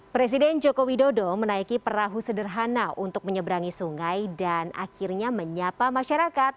presiden joko widodo menaiki perahu sederhana untuk menyeberangi sungai dan akhirnya menyapa masyarakat